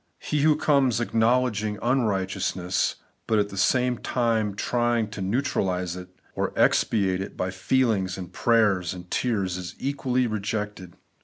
He who comes acknowledging unrighteous ness^ but at the same time trjdng to neutralize it or to expiate it by feelings, and prayers, and tears, is equally rejected.